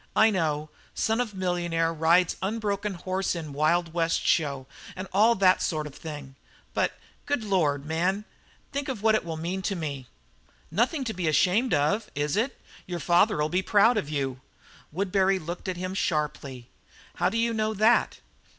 "I know son of millionaire rides unbroken horse in Wild West show and all that sort of thing. But, good Lord, man, think what it will mean to me?" "Nothing to be ashamed of, is it? Your father'll be proud of you." Woodbury looked at him sharply. "How do you know that?"